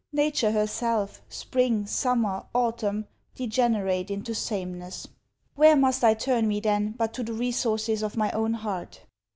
Nature herself, spring, summer, autumn, degenerate into sameness. Where must I turn me then, but to the resources of my own heart?